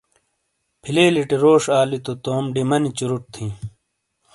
فی لیلیٹے روش آلی تو توم ڈِیمانی چُورُٹ تِھیں۔